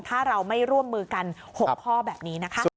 ถ้าเราไม่ร่วมมือกัน๖ข้อแบบนี้นะคะ